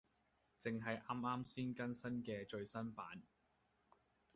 正係啱啱先更新嘅最新版